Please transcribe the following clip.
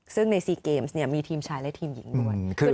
ซึ่งใน๔เกมส์มีทีมชายและทีมหญิงด้วย